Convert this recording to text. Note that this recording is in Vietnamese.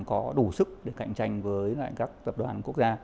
có đủ sức để cạnh tranh với lại các tập đoàn quốc gia